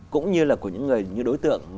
cũng như là của những đối tượng